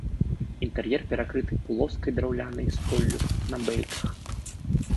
Інтэр'ер перакрыты плоскай драўлянай столлю на бэльках.